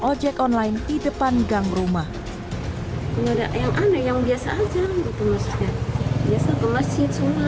ojek online di depan gang rumah yang ada yang biasa aja untuk masuknya biasa ke masjid semua